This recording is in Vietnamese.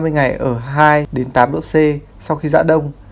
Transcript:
ba mươi ngày ở hai tám độ c sau khi dã đông